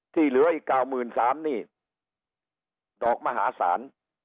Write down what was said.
ที่เหลืออีกเก้ามือนสามหนี้ดอกมหาศาล